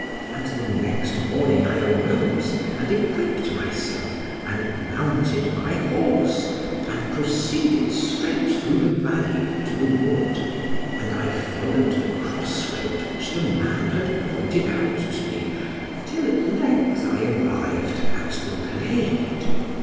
And the next morning I arose, and equipped myself, and mounted my horse, and proceeded straight through the valley, to the wood, and I followed the crossroad which the man had pointed out to me, till at length I arrived at the glade.